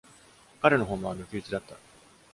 彼の訪問は抜き打ちだった。